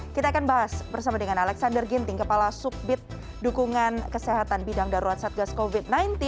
kita akan bahas bersama dengan alexander ginting kepala subbit dukungan kesehatan bidang darurat satgas covid sembilan belas